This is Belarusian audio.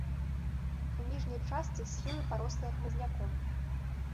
У ніжняй частцы схілы парослыя хмызняком.